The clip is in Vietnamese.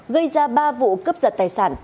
gây ra ba vụ cấp giật tài sản